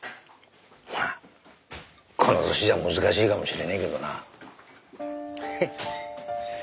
まあこの年じゃ難しいかもしれねえけどな。ヘッ。